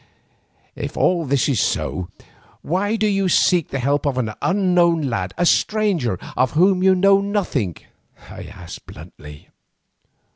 "If all this is so, why do you seek the help of an unknown lad, a stranger of whom you know nothing?" I asked bluntly.